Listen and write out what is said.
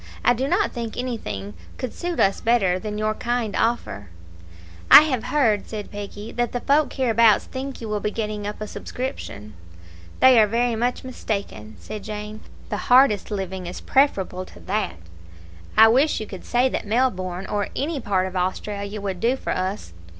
I do not think anything could suit us better than your kind offer." "I have heard," said Peggy, "that the folk hereabouts think you will be getting up a subscription." "They are very much mistaken," said Jane; "the hardest living is preferable to that. I wish you could say that Melbourne, or any part of Australia, would do for us.